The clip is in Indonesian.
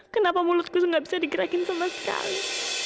kenapa mulutku gak bisa digerakin sama sekali